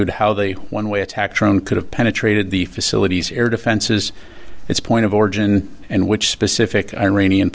dan akan menjelaskan mereka ketika informasi baru terdapat